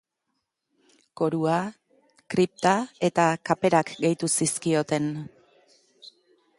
Korua, kripta eta kaperak gehitu zizkioten.